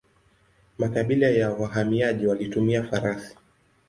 Makabila ya wahamiaji walitumia farasi.